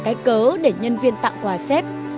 cái cớ để nhân viên tặng quà xếp